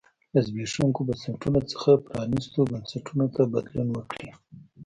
له زبېښونکو بنسټونو څخه پرانیستو بنسټونو ته بدلون وکړي.